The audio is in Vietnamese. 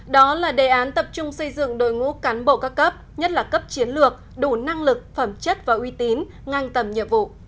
đó là đề án tập trung xây dựng đội ngũ cán bộ các cấp nhất là cấp chiến lược đủ năng lực phẩm chất và uy tín ngang tầm nhiệm vụ